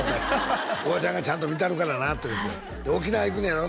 「おばちゃんがちゃんと見たるからな」とで沖縄行くねやろ？